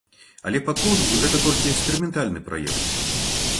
Але пакуль гэта толькі эксперыментальны праект.